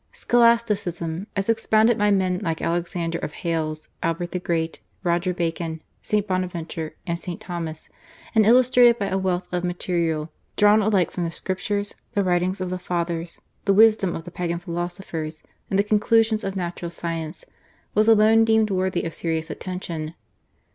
Scholasticism, as expounded by men like Alexander of Hales, Albert the Great, Roger Bacon, St. Bonaventure, and St. Thomas, and illustrated by a wealth of material drawn alike from the Scriptures, the writings of the Fathers, the wisdom of Pagan philosophers, and the conclusions of natural science, was alone deemed worthy of serious attention.